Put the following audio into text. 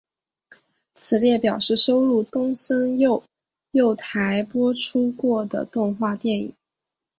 此列表示收录东森幼幼台播出过的动画电影。